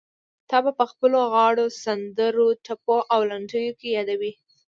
تا به په خپلو غاړو، سندرو، ټپو او لنډيو کې يادوي.